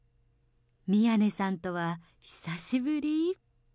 宮根さんとは久しぶり。